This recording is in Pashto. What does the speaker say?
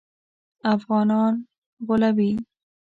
افغانان غولوي.